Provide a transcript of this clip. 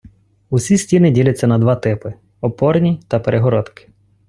Усі стіни діляться на два типи: опорні та перегородки.